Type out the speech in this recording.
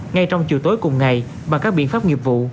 ngay trong chiều tối cùng ngày bằng các biện pháp nghiệp vụ